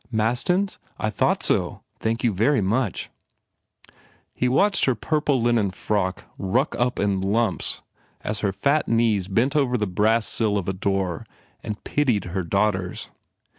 Mastin s? I thought so. Thank you so much." He watched her purple linen frock ruck up in lumps as her fat knees bent over the brass sill of a door and pitied her daughters.